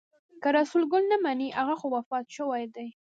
که رسول ګل نه مني هغه خو وفات شوی دی.